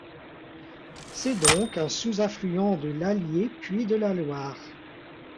C’est donc un sous-affluent de l’Allier puis de la Loire.